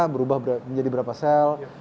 berubah menjadi berapa sel